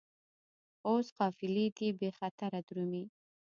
اوس قافلې دي بې خطره درومي